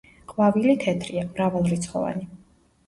ყვავილი თეთრია, მრავალრიცხოვანი.